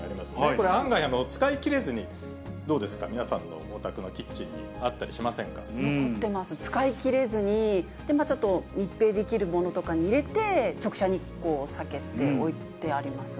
これ、案外使い切れずに、どうですか、皆さんのお宅のキッチンにあった残って、使いきれずに、ちょっと密閉できるものとかに入れて、直射日光を避けて置いてありますが。